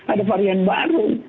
ada varian baru